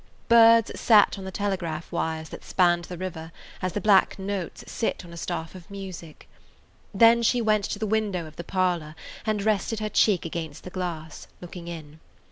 Birds sat on the telegraph wires that spanned the river as the black notes sit on a staff of music. [Page 77] Then she went to the window of the parlor and rested her cheek against the glass, looking in.